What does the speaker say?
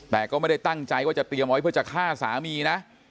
แต่ก็ไม่ได้ตั้งใจว่าจะเตรียมไว้เพื่อจะฆ่าสามีนะ